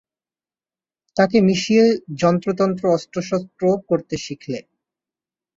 তাকে মিশিয়ে যন্ত্রতন্ত্র অস্ত্রশস্ত্র করতে শিখলে।